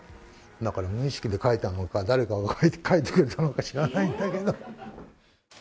だから、無意識で書いたのか、誰かが書いてくれたのか知らないんだけど。